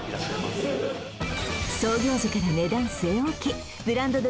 創業時から値段据え置きブランド鶏